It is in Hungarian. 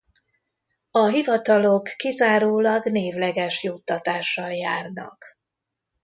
A hivatalok kizárólag névleges juttatással járnak.